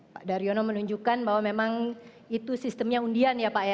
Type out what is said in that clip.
pak daryono menunjukkan bahwa memang itu sistemnya undian ya pak ya